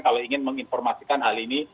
kalau ingin menginformasikan hal ini